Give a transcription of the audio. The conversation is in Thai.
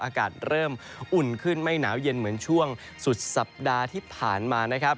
อากาศเริ่มอุ่นขึ้นไม่หนาวเย็นเหมือนช่วงสุดสัปดาห์ที่ผ่านมานะครับ